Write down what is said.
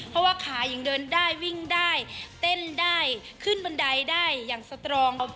เพราะว่าขายังเดินได้วิ่งได้เต้นได้ขึ้นบันไดได้อย่างสตรอง